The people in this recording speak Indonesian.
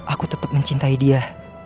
aku tetap mencintai dia